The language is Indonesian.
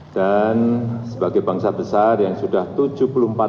dan sebagai bangsa besar yang sudah berpindah